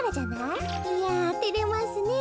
いやてれますねえ。